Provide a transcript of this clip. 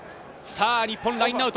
日本、ラインアウト。